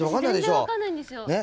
私全然分かんないんですよ。ね？